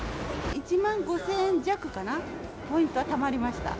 １万５０００弱かな、ポイントはたまりました。